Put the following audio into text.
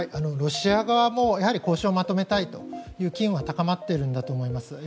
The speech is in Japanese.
ロシア側も交渉をまとめたいという機運は高まっているんだと思います。